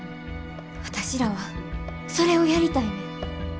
私らはそれをやりたいねん。